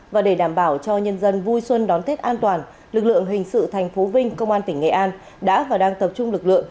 và để đảm bảo cho nhân dân vui xuân đón tết an toàn lực lượng hình sự tp vinh công an tỉnh nghệ an đã và đang tập trung lực lượng